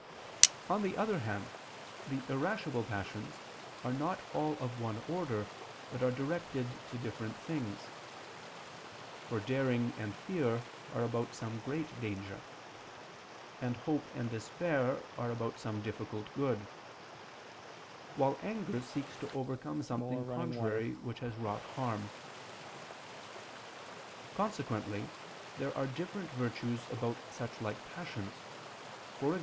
On the other hand, the irascible passions are not all of one order, but are directed to different things: for daring and fear are about some great danger; hope and despair are about some difficult good; while anger seeks to overcome something contrary which has wrought harm. Consequently there are different virtues about such like passions: e.g.